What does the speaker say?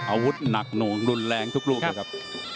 อาวุธหนักหน่วงรุนแรงทุกลูกเลยครับ